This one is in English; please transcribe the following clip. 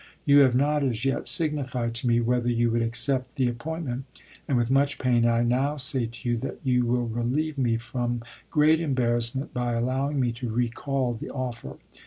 You have not as yet signified to me whether you would accept the appointment, and with much pain I now say to you that you will relieve me from great embarrassment by allowing me to recall the offer.